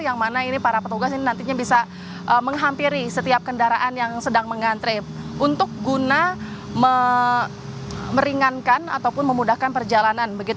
yang mana ini para petugas ini nantinya bisa menghampiri setiap kendaraan yang sedang mengantre untuk guna meringankan ataupun memudahkan perjalanan